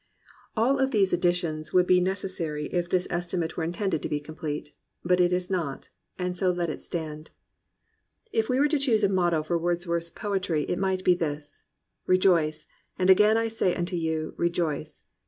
All of these additions would be necessary if this estimate were intended to be complete. But it is not, and so let it stand. 230 THE RECOVERY OF JOY If we were to choose a motto for Wordsworth's poetry it might be this: "Rejoice, and again I say unto you, rejoice.'